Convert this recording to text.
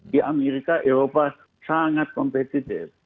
di amerika eropa sangat kompetitif